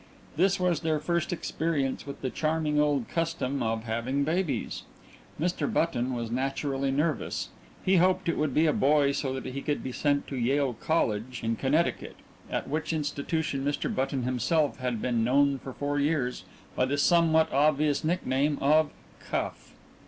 This was their first experience with the charming old custom of having babies Mr. Button was naturally nervous. He hoped it would be a boy so that he could be sent to Yale College in Connecticut, at which institution Mr. Button himself had been known for four years by the somewhat obvious nickname of "Cuff."